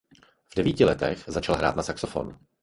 V devíti letech začal hrát na saxofon.